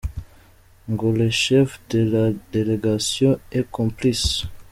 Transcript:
Ngo “Le chef de la délégation est complice.